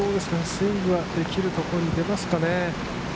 スイングできるところに出ますかね？